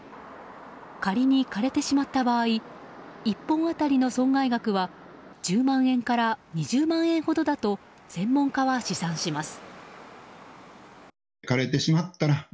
仮に枯れてしまった場合１本当たりの損害額は１０万円から２０万円ほどだと専門家は試算します。